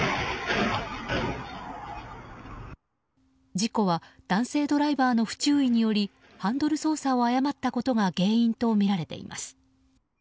事故は男性ドライバーの不注意によりハンドル操作を誤ったことが原因とみられています。